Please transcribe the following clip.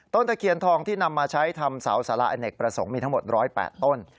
ตะเคียนทองที่นำมาใช้ทำเสาสาระอเนกประสงค์มีทั้งหมด๑๐๘ต้น